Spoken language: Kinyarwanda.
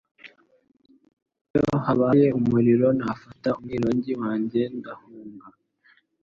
Iyo habaye umuriro, nafata umwironge wanjye ndahunga.